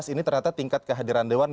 ini ternyata tingkat kehadiran dewan